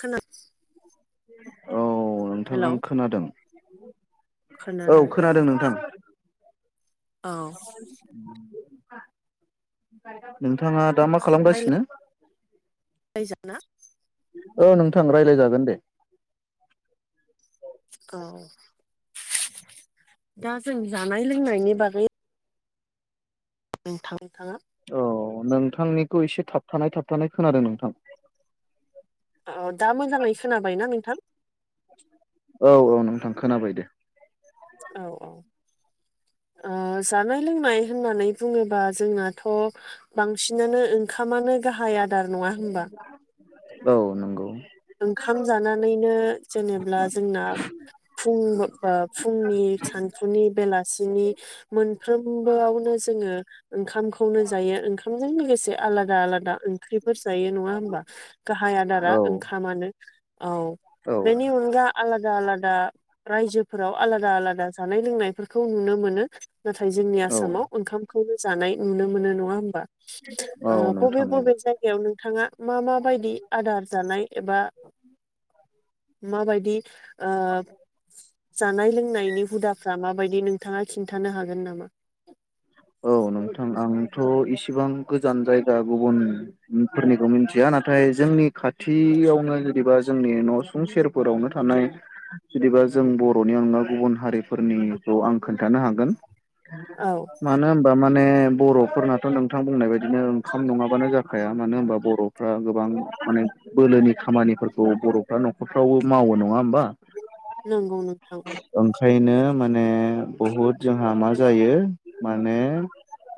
खोना औ नोंथां हेलौ आं खोनादों। औ खोनादों नोंथां। औ [unintelligible] नोंथाङा दा मा खालामगासिनो? [inaudible] औ नोंथां राय्लायजागोन दे औ दा जों जानाय लोंनायनि बागै नोंथां थाङा औ नोंथांनिखौ एसे थाबथानाय थाबथानाय खोनादों नोंथां औ दा मोजाङै खोनाबायना नोंथां [inaudible] औ औ नोंथां खोनाबाय दे औ औ ओ जानाय-लोंनाय होननानै बुङोबा जोंनाथ' बांसिनानो ओंखामानो गाहाय आ औ नंगौ ओंखाम जानानैनो जेनेब्ला जोंना फुं ओ फुंनि, सानफुनि, बेलासिनि मोनफ्रोमबोआवनो जोङो ओंखामखौनो जायो। ओंखामजों लोगोसे आलादा आलादा ओंख्रिफोर जायो नङा हबा गाहाय आदारा औ ओंखामानो औ औ बेनि अनगा आलादा-आला दा रायजोफोराव आलादा-आलादा जानाय- लोंनायफोरखौ नुनो मोनो। नाथाय जोंनि औ आसामाव ओंखामखौनो जानाय नुनो मोनो नङा होमबा। औ ओ बबे नोंथां औ बबे जायगायाव नोंथाङा मा मा बायदि आदार जानाय एबा माबायदि ओ जानाय लोंनायनि हुदाफ्रा माबायदि नोंथाङा खिन्थानो हागोन नामा? औ नोंथां आंथ' इसिबां गोजान जायगा गुबुन फोरनिखौ मिथिया नाथाय जोंनि खाथियावनो जुदिबा जोंनि न' सुं सेरफोरावनो थानाय जुदिबा जों जों बर'नि अनगा गुबुन हारिफोरनिखौ आं खोन्थानो हागोन औ मानो होमबा मानो माने बर'फोरनाथ' नोंथां बुंनाय बायदिनो ओंखाम नङाबानो जाखाया मानो होनबा बर'फ्रा गोबां माने बोलोनि खामानिफोरखौ बर'फ्रा न'खरफ्रावबो मावो नङा होमबा नंगौ नोंथौ ओंखायनो माने बहुद जोंहा मा जायो माने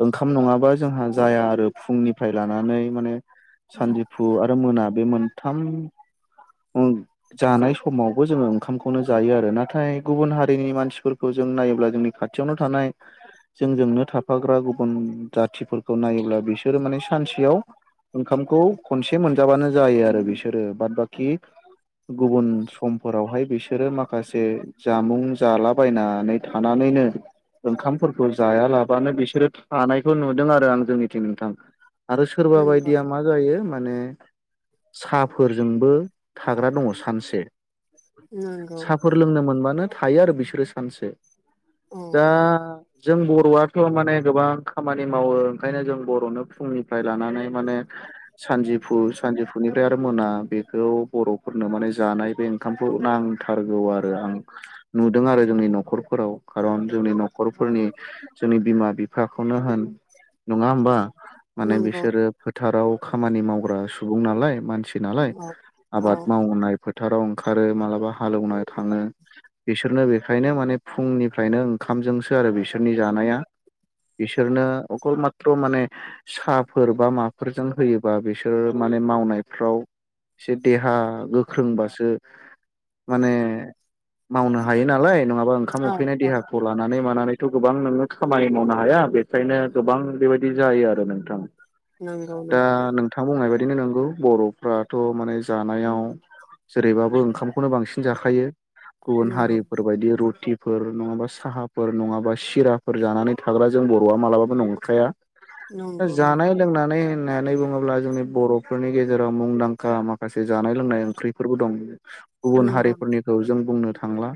ओंखाम नङाबा जोंहा जाया आरो फुंनिफ्राय लानानै माने सानजौफु आरो मोना बे मोनथाम जानाय समावबो जोङो ओंखामखौनो जायो आरो। नाथाय गुबुन हारिनि मानसिफोरखौ जों जों नायोब्ला जोंनि खाथियावनो थानाय जोंजोंनो थाफाग्रा गुबुन जाथिफोरखौ नायोब्ला बिसोरो माने सानसेयाव ओंखामखौ खनसे मोनजाबानो जायो आरो बिसोरो बाद बाखि गुबुन समफोरावहाय बिसोरो माखासे जामुं जालाबायनानै थानानैनो ओंखामफो खौ जायालाबानो बिसोरो थानायखौ नुदों आरो आं जोंनिथिं नोंथां आरो सोरबा नंगौ बायदिया मा जायो माने साहाफोरजोंबो थाग्रा दङ सानसे नंगौ साहाफोर लोंनो मोनबानो थायो आरो बिसोरो सानसे औ दा औ जों बर'आथ' माने गोबां खामानि मावो ओंखायनो जों बर'नो फुंनिफ्राय लानानै माने सानजिफु सानजिफुनिफ्राय आरो मोना बेखौ बर'फोरनो माने जानाय बे ओंखामखौ नांथारगौ आरो आं नुदों आरो जोंनि न'खरफोराव खारन जोंनि न'खर फोरनि जोंनि बिमा बिफाखौनो होन नङा होमबा? माने नंगौ बिसोरो फोथाराव खामानि मावग्रा सुबुं नालाय मानसि नालाय औ औ आबाद मावनाय फोथाराव ओंखारो मालाबा हालेनो थाङो बिसोरनो बेखायनो माने फुंनिफ्रायनो ओंखामजोंसो आरो बिसोरनि जानाया बिसोरनो अकल मात्र माने साहाफोर बा माफोरजों होयोबा बिसोर माने मावनायफ्राव एसे देहा गोख्रोंबासो माने मावनो हायो नालाय नङाबा ओंखाम औ उखैनाय औ देहाखौ लानानै नानै मानानैथ' गोबां नोङो खामानि मावनो हाया बेखायनो गोबां बेबायदि जायो आरो नोंथां। दा नोंथां बुंनाय बायदिनो नंगौ बर'फ्राथ' माने जानायाव जेरैबाबो ओंखामखौनो बांसिन जाखायो गुबुन नंगौ हारिफोर बायदि रुटिफोर नङाबा साहा फोर नङाबा सिराफोर जानानै थाग्रा जों बर'आ मालाबाबो नंखाया नंगौ जानाय लोंनानै होननानै बुङोब्ला जोंनि बर'फोरनि गेजेराव मुंदांखा माखासे जानाय लोंनाय ओंख्रिफोरबो दं। गुबुन नंगौ हारिफोरनिखौ जों बुंनो थांला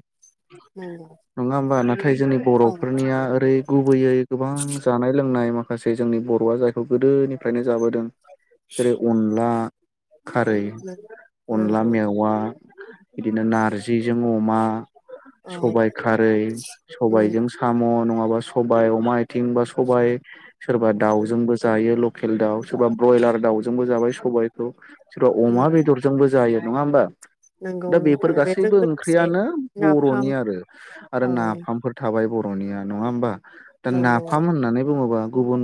नंगौ नङा होमबा? नाथाय जोंनि औ बर'फोरनिया ओरै गुबैयै गोबां जानाय लोंनाय माखासे जोंनि बर'आ जायखौ गोदोनिफ्रायनो जाबोदों जेरै अनला खारै अनला नंगौ मेवा बिदिनो नारजिजों अमा औ सबाय खारै सबायजों नंगौ साम' नङाबा सबाय अमा आथिं बा सबाय सोरबा दाउजोंबो जायो लकेल दाउ सोरबा ब्रयलार दाउजोंबो जाबाय सबायखौ सोरबा अमा बेदरजोंबो जायो नङा होमबा? नंगौ दा बेफोर नोंथां बेजों गासैबो लोगोसे ओंख्रियानो नाफाम बर'नि आरो आरो औ ना नाफामफोर थाबाय बर'निया नङा होनबा दा नंगौ नाफाम होनानै बु बुङोबा गुबुन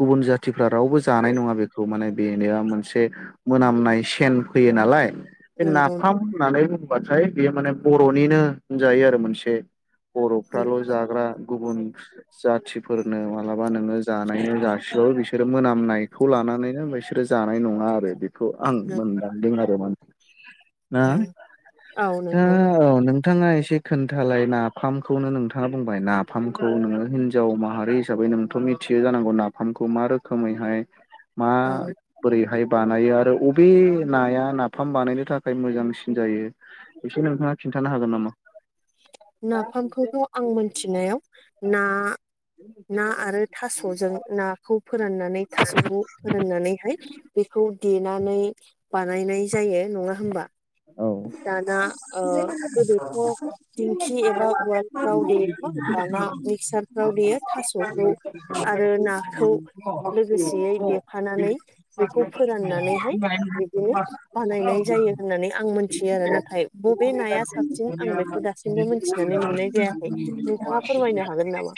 गुबुन जाथिफ्रा रावबो जानाय नङा बेखौ माने बेनिया मोनसे मोनाम नाय सेन फैयो नालाय बे नंगौ नाफाम होननानै बुंबाथाय बेयो माने बर'निनो होनजायो आरो मोनसे बर'फ्राल' नंगौ जाग्रा गुबुन जाथिफोरनो मालाबा नोङो जानायनो जासिबो बिसोरो मोनामनायखौ लानानै नानै बिसोरो जानाय नङा आरो बिदि खौ आं नंगौ मोनदांदों आरो माने ना औ औ दा नंगौ औ नोंथाङा एसे खोन्थालाय ना नाफामखौनो नोंथाङा बुंबाय नाफामखौ नोङो हिनजाव माहारि हिसाबै नोंथ' मिथियो जानांगौ नाफाम खौ मा रोखोमैहाय औ माबोरैहाय बानायो आरो अबे नाया नाफाम बानायनो थाखाय मोजांसिन जायो एसे नोंथाङा खिन्थानो हागोन नामा? नाफामखौथ' आं मोनथिनायाव ना [inaudible] ना आरो थास'जों नाखौ फोराननानै थास'खौ फोराननानैहाय बेखौ देनानै बानायनाय जायो नङा होमबा? औ दाना ओ गोदोथ' दिंखि एबा उवालफ्राव देयोमोन दाना मिक्सारफ्राव देयो थास'खौ आरो नाखौ लोगोसेयै देफानानै बेखौ फोराननानैहाय बिदिनो बानायनाय जायो होननानै [inaudible] [inaudible] आं मोनथियो आरो नाथाय बबे नाया साबसिन आं बेखौ दासिमबो मोनथिनानै मोननाय जायाखै नोंथाङा फोरमायनो हागोन नामा?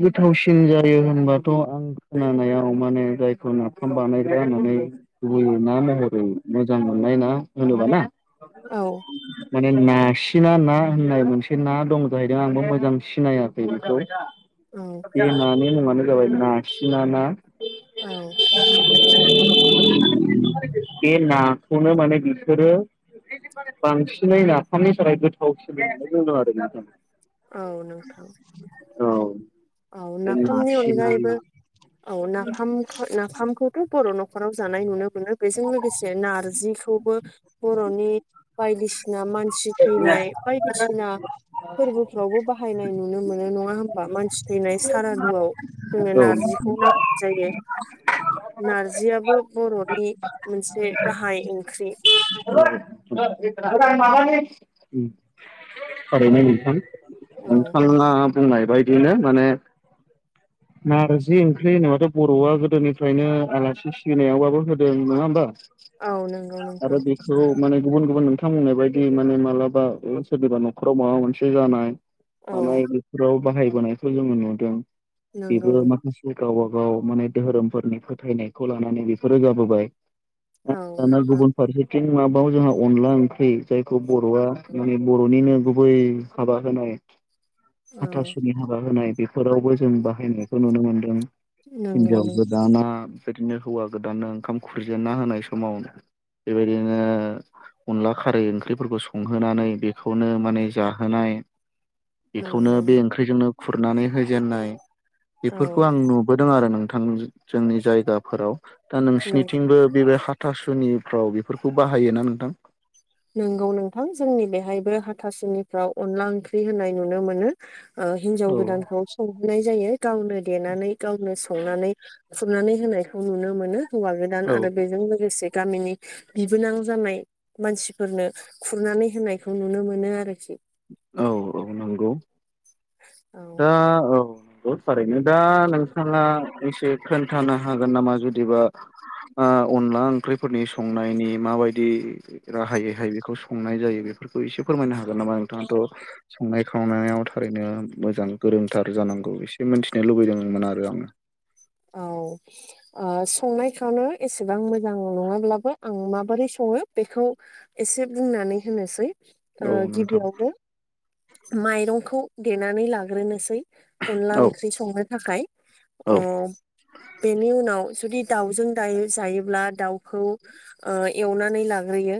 गोथावसिन जायो होनबाथ' आं खोनानायाव माने जायखौ नाफाम बानायग्रा होननानै गुबै ना महरै मोजां मोननाय ना होनोबा ना औ माने ना सिं गिना ना होननाय मोनसे ना दं जाहैदों आंबो मोजां सिनायाखै बेखौ औ बे नानि मुङानो जाबाय नाखिना ना औ बे नाखौनो माने बिसोरो बांसिनै नाफामनि थाखाय गोथावसिन होननानै बुंदों आरो नोंथां। औ नोंथां औ औ बे नाफामनि नासिना अनगायैबो ना औ नाफाम नाफामखौथ' बर' न'खराव जानाय नुनो मोनो बेजों लोगोसे नारजिखौबो बर'नि बायदिसिना मानसि थैनाय बायदिसिना फोरबोफ्रावबो बाहायनाय नु मोनो नङा होमबा मानसि थैनाय सारादुआव जोङो औ नारजिखौ नांगौ जायो नारजियाबो बर'नि मोनसे गाहाय ओंख्रि थारैनो नोंथां औ नोंथाङा बुंनाय बायदिनो माने नारजि ओंख्रि होनोबाथ' बर'आ गोदोनिफ्रायनो आलासि सिबिनायावबाबो होदों नङा होमबा औ नंगौ नोंथां आरो बेखौ माने गुबुन गुबुन नोंथां बुंनाय बायदि माने मालाबा ओ सोरनिबा न'खराव माबा मोनसे जानाय औ मानाय बेफोराव बाहायबोनायखौ जोङो नुदों नंगौ बेबो नों माखासे गावब गाव माने धोरोमफोरनि फोथायनायखौ लानानै बेफोरो जाबोबाय औ दाना नोंथां गुबुन फारसथिं मा बाव जोंहा अनला ओंख्रि जायखौ बर'आ माने बर'निनो गुबै हाबा होनाय औ हाथासुनि हाबा होनाय बेफोरावबो जों बाहायनायखौ नुनो मोनदों नंगौ हिनजाव नों गोदाना बिदिनो हौवा गोदाना ओंखाम खुरजेन्ना होनाय समावनो बेबायदिनो अनला खारै ओंख्रिफोरखौ संहोनानै बेखौनो माने जाहोनाय [unintelligible] बेखौनो नंगौ बे नों ओंख्रिजोंनो खुरनानै होजेनन्नाय बेफोरखौ औ आं नुबोदों आरो नों थां जोंनि जायगाफोराव। दा नों नोंसिनिथिंबो बेबाय हाथासु निफ्राव बेफोरखौ बाहायोना नोंथां? नंगौ नोंथां जोंनि बेहायबो हाथासुनिफ्राव अनला ओंख्रि होननाय नुनो मोनो ओ हिन्जाव औ गोदानखौ संहोनाय जायो गावनो देनानै गावनो संनानै खुरनानै होनायखौ नुनो मोनो। हौवा गोदान औ आरो बेजों लोगोसे गामिनि बिबोनां जानाय मानसि फोरनो खुरनानै होनायखौ नुनो मोनो आरोखि। औ औ नंगौ औ दा औ नोंगौ थारैनो दा नोंथाङा एसे खोन्थानो हागोन नामा जुदिबा ओ अनला ओंख्रिफोरनि संनायनि माबायदि राहायैहाय बेखौ संनाय जायो बेफोरखौ एसे फोरमायनो हागोन नामा नोथाङाथ' संनाय खावनायाव थारैनो मोजां गोरोंथार जानांगौ एसे मिथिनो लुबैदोंमोन आरो आङो औ ओ संनायखौनो एसेबां मोजां नङाब्लाबो आं माबोरै स ङो बेखौ एसे बुंनानै होनोसै ओ औ नोंथां गिबियावनो माइरंखौ देनानै लाग्रोनोसै अनला औ ओंख्रि संनो थाखाय औ ओ बेनि उनाव जुदि दाउजों दायो जायोब्ला दाउखौ ओ एवनानै ला लाग्रोयो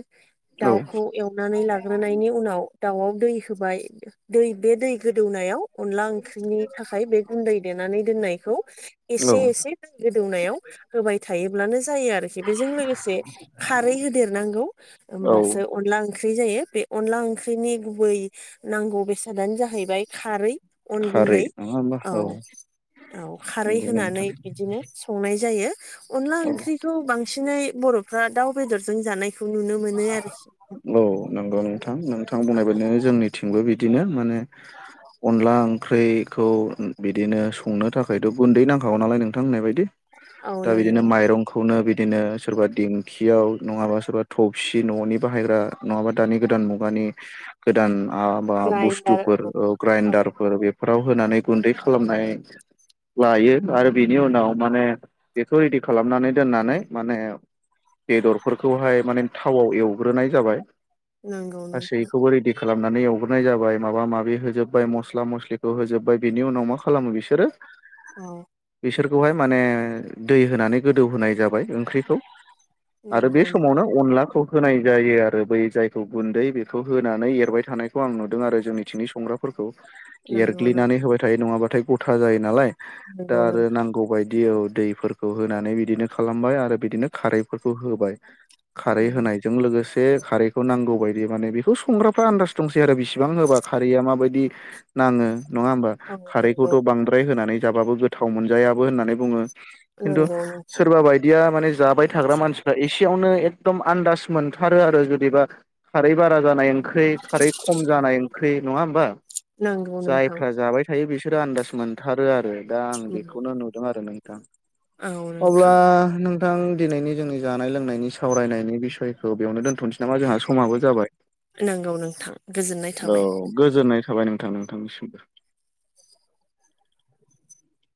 औ दाउखौ एवनानै लाग्रोनायनि उनाव दाउआव दै होबाय दै बे दै गोदौनायाव अनला ओंख्रिनि थाखाय बे गुन्दै देनानै दोननायखौ एसे औ एसे गोदौनायाव होबाय थायोब्लानो जायो आरोखि बेजों लोगोसे खारै हो होदेेरनांगौ होमबासौ औ अनला ओं ओंख्रि जायो बे अनला ओंख्रिनि गुबै नांगौ बेसादानो जाहैबाय खारै अन खारै गुन्दै नङा होमबा औ औ खारै नंगौ नोंथां होनानै बिदिनो संनाय जायो अनला औ ओंख्रिखौ बांसिनै बर' फोरा दाउ बेदरजों जानाय औ नोंगौ नोंथां नोंथां बुंनाय औ बायदिनो जोंनिथिंबो बिद बिदिनो माने अनला ओंख्रिखौ बिदिनो संनो थाखायथ' गुन्दै नां नांखागौ नालाय नोंथां होननाय बायदि औ दा बिदिनो नंगौ माइरंखौनो बिदिनो सोरबा दिंखियाव नंङाबा सोरबा थबसि न'नि बाहायग्रा नंङाबा दानि गोदान मुगानि गोदान आ बा ग्राइन्डार बुस्थुफोर औ ओ औ ग्रेइन्दारफोर बेफोराव होनानै गुन्दै खालामनाय लायो आरो बिनि उनाव माने बेखौ रेडि खालामनानै दोननानै माने बेदरफोरखौहाय माने थावआव एवग्रोनाय जाबाय नोंगौ नोंथां गासैखौबो रेडि खालामनानै एवग्रोनाय जाबाय माबा माबि होजोबबाय मस्ला मस्लिखौ होजोबबाय बिनि उनाव मा खालामो बिसोरो औ बिसोरखौहाय माने दै होनानै गोदौ होनाय जाबाय ओंख्रिखौ आरो बे नोंगौ नों समावनो अनलाखौ होनाय जायो आरो बै जायखौ गुन्दै बेखौ होनानै एरबाय थानायखौ आं नुदों आरो जोंनिंथिं संग्राफोरखौ नंगौ नों एरग्लिनानै होबाय थायो नङाबाथाय गथा जायो नालाय दा नंगौ आरो नोंथां नांगौ बायदि औ दैफोरखौ होनानै बिदिनो खालामबाय आरो बिदिनो खारैफोरखौ होबाय खारै औ होनायजों लोगोसे बे खारैखौ नांगौ बायदि माने बेखौ संग्राफ्रा आन्दास दंसै आरो बिसिबां होबा खारैया माबायदि नांङो नङा होमबा औ नंगौ खारैखौथ' बांद्राय होनानै जाबाबो गोथाव मोनजायाबो होननानै बुङो खिन्थु नंगौ सोरबा बायदिया माने जाबाय थाग्रा मानसिफ्रा एसेयावनो ए एखदम आन्दास मोनथारो आरो जुदिबा खारै बारा जानाय ओंख्रि खारै खम जानाय ओंख्रि नंङा होमबा नंगौ नोंथां जायफ्रा जाबाय थायो बिसोरो आन्दाज मोनथारो आरो दा आं बेखौनो नंगौ नुदों आरो नों औ अब्ला नोंथां नोंथां दिनैनि जोंनि जानाय लोंनायनि सा सावरायनायनि बिसयखौ बेयावनो दोनथ'नोसै नामा जोंहा समाबो जाबाय नोंगौ नोंथां गोजोननाय औ थाबाय गोजोननाय थाबाय नोंथां नोंथांनिसिमबो